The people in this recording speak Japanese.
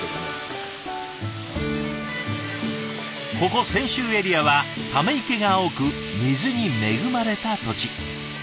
ここ泉州エリアはため池が多く水に恵まれた土地。